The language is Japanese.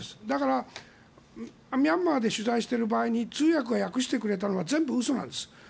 だから、ミャンマーで取材している場合に通訳が訳してくれたのが全部嘘なんです。